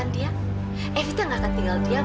ada apa sih kak fetria